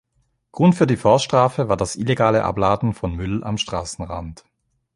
Grund für die Vorstrafe war das illegale Abladen von Müll am Straßenrand.